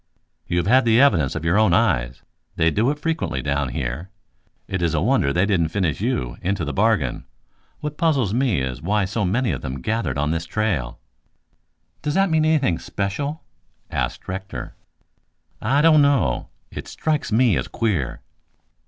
"You have had the evidence of your own eyes. They do it frequently down here. It is a wonder they didn't finish you into the bargain. What puzzles me is why so many of them gathered on this trail." "Does that mean anything special?" asked Rector. "I don't know. It strikes me as queer."